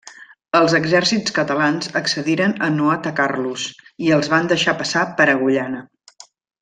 Els exèrcits catalans accediren a no atacar-los, i els van deixar passar per Agullana.